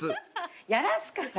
やらすから。